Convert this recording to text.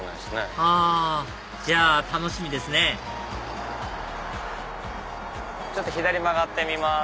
あじゃあ楽しみですねちょっと左曲がってみます。